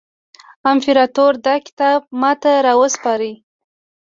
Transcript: امپراطور دا کتاب ماته را وسپاره.